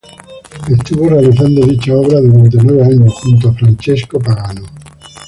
Estuvo realizando dicha obra durante nueve años, junto a Francesco Pagano.